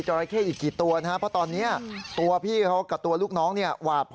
ใช่ค่ะฮือ